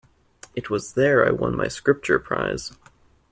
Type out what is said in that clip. It was there I won my Scripture prize.